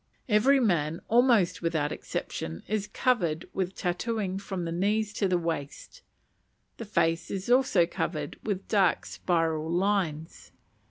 Every man, almost without exception, is covered with tattooing from the knees to the waist; the face is also covered with dark spiral lines.